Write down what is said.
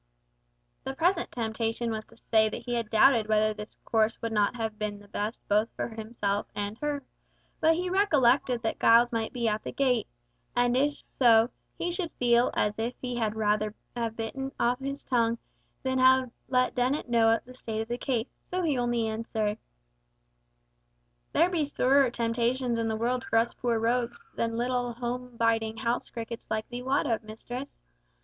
The present temptation was to say that he had doubted whether this course would not have been for the best both for himself and for her; but he recollected that Giles might be at the gate, and if so, he should feel as if he had rather have bitten out his tongue than have let Dennet know the state of the case, so he only answered— "There be sorer temptations in the world for us poor rogues than little home biding house crickets like thee wot of, mistress.